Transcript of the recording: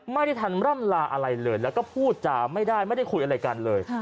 ไม่ได้ทันร่ำลาอะไรเลยแล้วก็พูดจาไม่ได้ไม่ได้คุยอะไรกันเลย